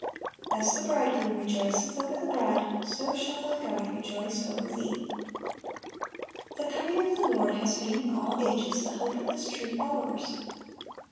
"As the bridegroom rejoiceth over the bride, so shall thy God rejoice over thee."(464) The coming of the Lord has been in all ages the hope of His true followers.